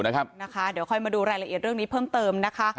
เดี๋ยวค่อยมาดูรายละเอียดเรื่องนี้เพิ่มเติมนะคะ